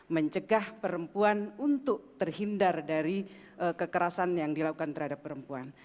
mencegah perempuan untuk terhindar dari kekerasan yang dilakukan terhadap perempuan